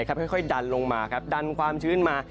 ค่อยดันลงมาดันความชื้นมา